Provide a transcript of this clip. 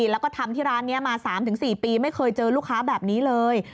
แล้วก็ทำที่ร้านนี้มา๓๔ปีไม่เคยเจอลูกค้าแบบนี้เลย